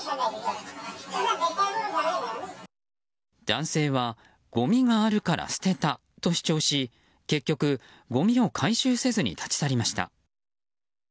男性はごみがあるから捨てたと主張し結局、ごみを回収せずに立ち去りました。